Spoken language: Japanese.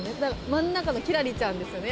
真ん中の輝星ちゃんですよね